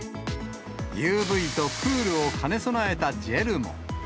ＵＶとクールを兼ね備えたジェルも。